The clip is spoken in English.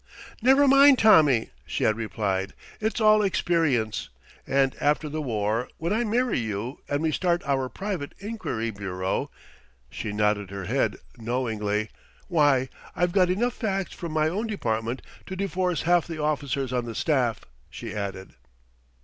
"Never mind, Tommy," she had replied. "It's all experience, and after the war, when I marry you and we start our private inquiry bureau " She nodded her head knowingly. "Why, I've got enough facts from my own department to divorce half the officers on the staff," she added.